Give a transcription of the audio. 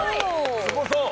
すごそう！